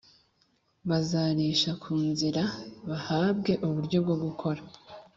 Bazarisha ku nzira bahabwe uburyo bwo gukora